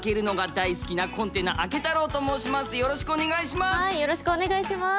よろしくお願いします！